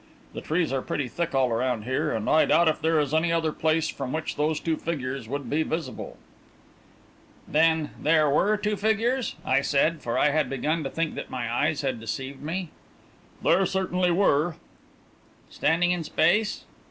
The trees are pretty thick all around here, and I doubt if there is any other place from which those two figures would be visible." "Then there were two figures!" I said, for I had begun to think that my eyes had deceived me. "There certainly were." "Standing in space?"